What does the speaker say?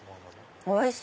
おいしい！